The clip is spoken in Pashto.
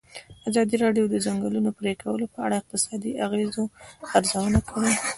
ازادي راډیو د د ځنګلونو پرېکول په اړه د اقتصادي اغېزو ارزونه کړې.